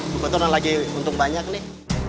gue tau nanti lagi untung banyak nih